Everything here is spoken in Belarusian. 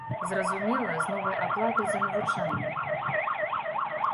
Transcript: Зразумела, з новай аплатай за навучанне.